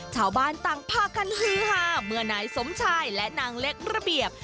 ชาวบ้านต่างพากันฮือฮาเมื่อนายสมชายและนางเล็กระเบียบ